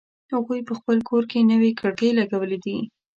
هغوی په خپل کور کی نوې کړکۍ لګولې دي